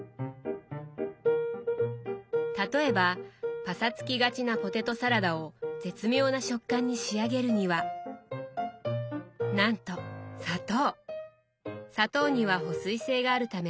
例えばパサつきがちなポテトサラダを絶妙な食感に仕上げるにはなんと砂糖！